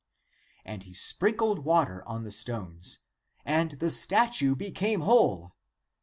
And he sprinkled water on the stones, and the statue became whole.